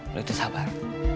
lo itu sabar